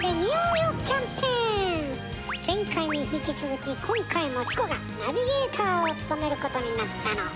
前回に引き続き今回もチコがナビゲーターを務めることになったの。